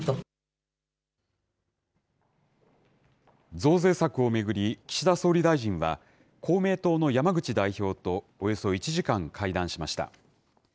増税策を巡り、岸田総理大臣は、公明党の山口代表とおよそ１時間会談しました。